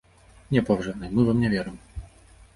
Не, паважаныя, мы вам не верым!